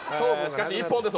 しかし、一本です。